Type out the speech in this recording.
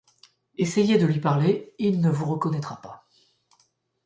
Essayez de lui parler, il ne vous reconnaîtra pas.